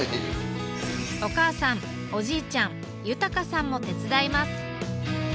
お母さんおじいちゃん豊さんも手伝います。